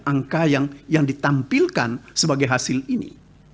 angka yang ditampilkan sebagai hasil ini